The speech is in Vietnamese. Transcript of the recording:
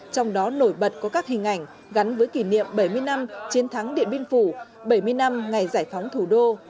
trong đó nổi bật có các hình ảnh gắn với kỷ niệm bảy mươi năm chiến thắng điện biên phủ bảy mươi năm ngày giải phóng thủ đô